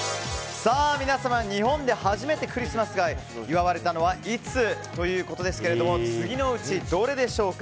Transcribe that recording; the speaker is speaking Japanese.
皆様、日本で初めてクリスマスが祝われたのはいつ？ということですが次のうちどれでしょうか。